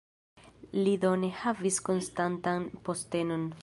Li do ne havis konstantan postenon.